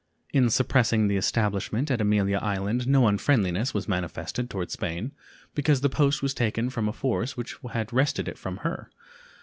In suppressing the establishment at Amelia Island no unfriendliness was manifested toward Spain, because the post was taken from a force which had wrested it from her.